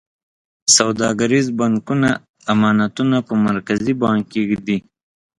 سوداګریز بانکونه امانتونه په مرکزي بانک کې ږدي.